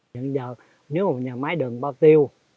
nhưng giờ nếu mà nhà máy đường bao tiêu